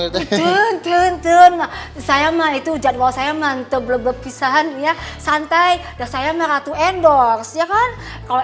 tun tuntun saya mah itu jadwal saya mantep lebek pisahan ya santai dan saya meratu endorse ya kan kalau